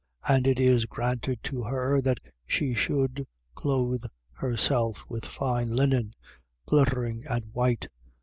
19:8. And it is granted to her that she should clothe herself with fine linen, glittering and white.